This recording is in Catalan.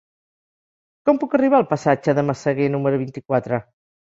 Com puc arribar al passatge de Massaguer número vint-i-quatre?